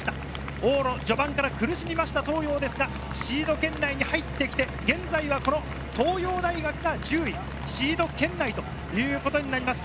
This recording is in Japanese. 往路序盤から苦しんだ東洋ですが、シード圏内に入ってきて、現在は東洋大学が１０位、シード圏内となります。